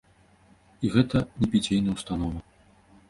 І гэта не піцейная ўстанова.